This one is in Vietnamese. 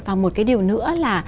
và một cái điều nữa là